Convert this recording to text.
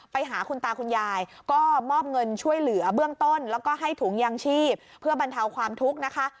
ไปหาคุณตาคุณยายก็มอบเงินช่วยเหลือเบื้องต้นแล้วก็ให้ถุงยางชีพเพื่อบรรเทาความทุกข์นะคะ